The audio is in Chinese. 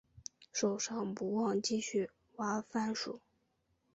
手上不忘继续挖番薯